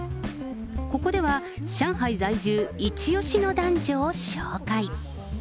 ここでは上海在住一押しの男女を紹介。